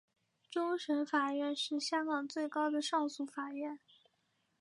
终审法院是香港最高的上诉法院。